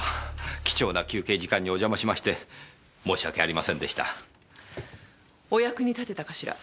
貴重な休憩時間にお邪魔しまして申し訳ありませんでした。お役に立てたかしら？